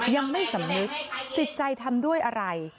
ยังไม่สำนึกจิตใจทำด้วยอะไร